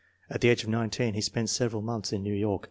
At the age of 19 he spent several months in New York.